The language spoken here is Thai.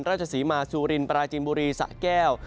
ราชศรีมาซูรินปราจินบุรีสะแก้ว